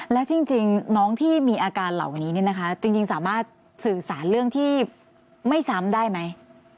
แล้วจริงน้องที่มีอาการเหล่านี้เนี่ยนะคะจริงสามารถสื่อสารเรื่องที่ไม่ซ้ำได้ไหม